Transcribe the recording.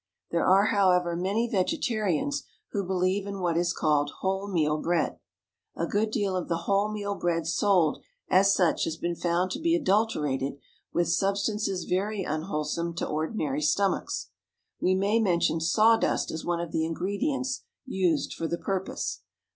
There are, however, many vegetarians who believe in what is called whole meal bread. A good deal of the whole meal bread sold as such has been found to be adulterated with substances very unwholesome to ordinary stomachs. We may mention saw dust as one of the ingredients used for the purpose.